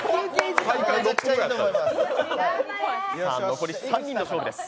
残り３人の勝負です。